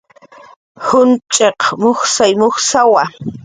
Junch'iq mujsay mujsawa